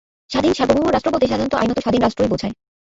স্বাধীন-সার্বভৌম রাষ্ট্র বলতে সাধারণত আইনত স্বাধীন রাষ্ট্রই বোঝায়।